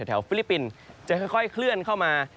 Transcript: ฟิลิปปินส์จะค่อยเคลื่อนเข้ามา